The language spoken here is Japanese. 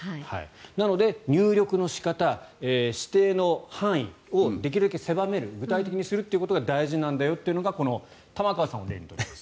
なので入力の仕方、指定の範囲をできるだけ狭める具体的にするということが大事なんだよというのが玉川さんを例に取ります。